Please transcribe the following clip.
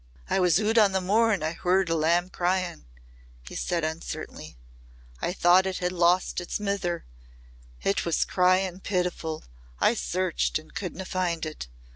"I was oot o' the moor and I heard a lamb cryin'," he said uncertainly. "I thought it had lost its mither. It was cryin' pitifu'. I searched an' couldna find it.